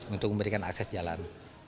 untuk memberikan akses jalan